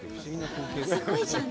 すごいじゃん。